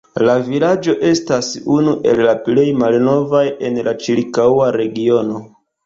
La vilaĝo estas unu el la plej malnovaj en la ĉirkaŭa regiono.